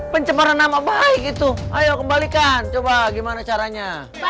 pencemaran nama baik itu ayo kembalikan coba gimana caranya